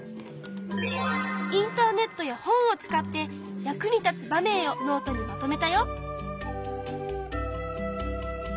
インターネットや本を使って役に立つ場面をノートにまとめたよ。